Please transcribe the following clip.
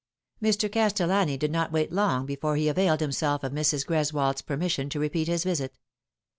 ME. CASTELLANI did not wait long before he availed him self of Mrs. Greswold's permission to repeat his visit.